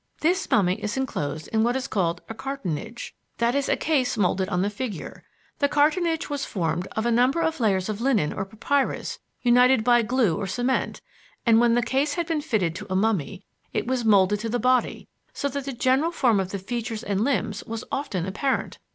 This mummy is enclosed in what is called a cartonnage, that is a case molded on the figure. The cartonnage was formed of a number of layers of linen or papyrus united by glue or cement, and when the case had been fitted to a mummy it was molded to the body, so that the general form of the features and limbs was often apparent.